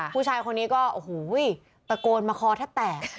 ผู้ชายคนนี้ก็โอ้โหตะโกนมาคอแทบแตก